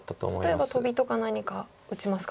例えばトビとか何か打ちますか。